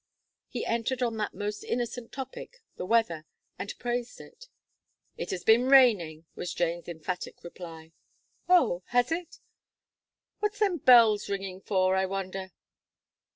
He entered on that most innocent topic, the weather, and praised it. "It has been raining," was Jane's emphatic reply. "Oh! has it? What's them bells ringing for, I wonder."